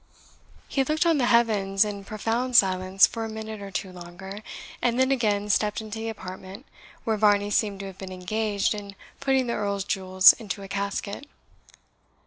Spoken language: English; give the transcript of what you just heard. He looked on the heavens in profound silence for a minute or two longer, and then again stepped into the apartment, where Varney seemed to have been engaged in putting the Earl's jewels into a casket.